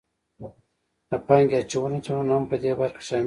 د پانګې اچونې تړونونه هم پدې برخه کې شامل دي